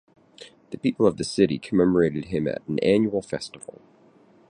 The people of the city commemorated him at an annual festival.